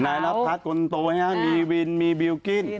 นายรับพลาดคนโตไหมครับมีวินมีบิวกิ้น